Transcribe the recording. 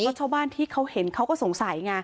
แล้วชาวบ้านที่เขาเห็นเขาก็สงสัยไง